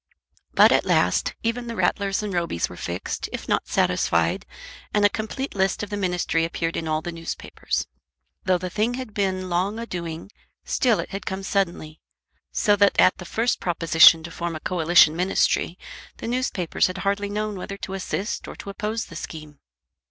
But at last even the Rattlers and Robys were fixed, if not satisfied, and a complete list of the ministry appeared in all the newspapers. Though the thing had been long a doing, still it had come suddenly, so that at the first proposition to form a coalition ministry, the newspapers had hardly known whether to assist or to oppose the scheme.